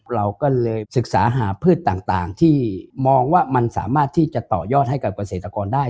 เราก็เลยศึกษาหาพืชต่างที่มองว่ามันสามารถที่จะต่อยอดให้กับเกษตรกรได้